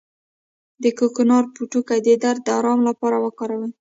د کوکنارو پوټکی د درد د ارام لپاره وکاروئ